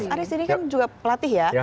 nah mas aris ini kan juga pelatih ya